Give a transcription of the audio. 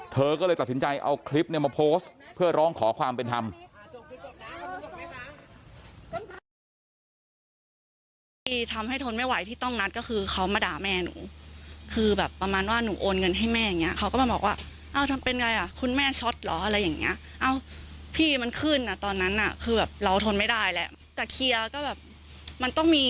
เธอก็เลยตัดสินใจเอาคลิปเนี่ยมาโพสต์เพื่อร้องขอความเป็นธรรม